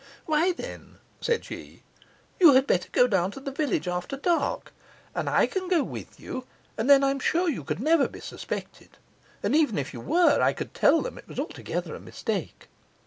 'Why then,' said she, 'you had better go down to the village after dark; and I can go with you, and then I am sure you could never be suspected; and even if you were, I could tell them it was altogether a mistake.